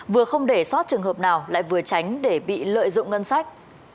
vừa không để sót trường hợp nào lại vừa tránh để bị lợi dụng ngân sách